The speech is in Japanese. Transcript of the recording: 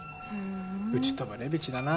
うちとはレベチだな。